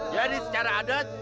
jadi secara adat